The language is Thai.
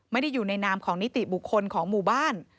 ไม่ได้อยู่ในนามของนิติบุคคลของหมู่บ้าน